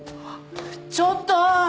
ちょっと！